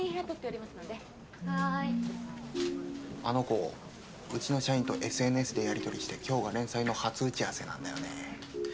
あの子うちの社員とＳＮＳでやりとりして今日が連載の初打ち合わせなんだよね。